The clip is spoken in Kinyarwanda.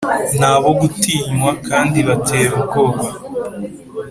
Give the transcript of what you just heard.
ni abo gutinywa kandi batera ubwoba